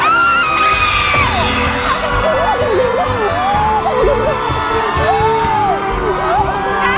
คุณร้องจาน